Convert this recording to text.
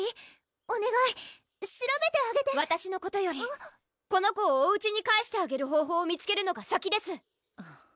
おねがい調べてあげてわたしのことよりこの子をおうちに帰してあげる方法を見つけるのが先です